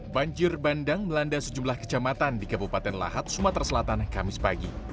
banjir bandang melanda sejumlah kecamatan di kabupaten lahat sumatera selatan kamis pagi